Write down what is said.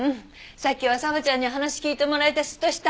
さっきは佐和ちゃんに話聞いてもらえてスッとした。